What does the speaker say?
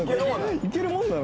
行けるものなの？